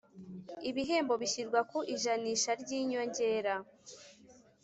Ibihembo bishyirwa ku ijanisha ry inyongera